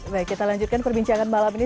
baik kita lanjutkan perbincangan malam ini